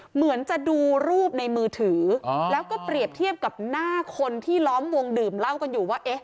เหมือนจะดูรูปในมือถือแล้วก็เปรียบเทียบกับหน้าคนที่ล้อมวงดื่มเหล้ากันอยู่ว่า